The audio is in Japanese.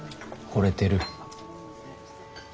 ほれてる？